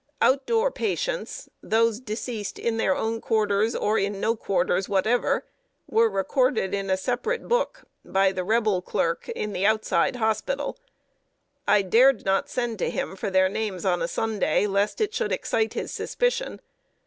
"Out door patients" those deceased in their own quarters, or in no quarters whatever, were recorded in a separate book, by the Rebel clerk in the outside hospital. I dared not send to him for their names on Sunday, lest it should excite his suspicion.